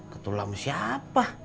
ketulah sama siapa